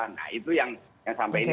nah itu yang sampai ini